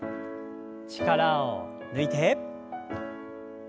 力を抜いて。